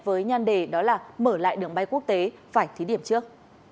với nhan đề đó là mở lại đường bay quốc tế phải thí điểm trước